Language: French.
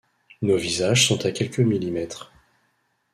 Nos visages sont à quelques millimètres.